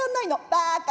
バカ」。